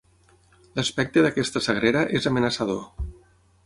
L'aspecte d'aquesta sagrera és amenaçador.